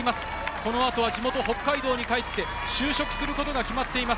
このあとは地元北海道に帰って就職することが決まっています。